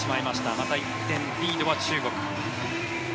また１点リードは中国。